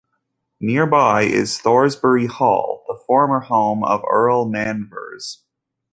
Nearby is Thoresby Hall, the former home of the Earl Manvers.